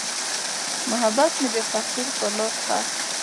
محبت مې د تقدیر په لاس ښخ شو.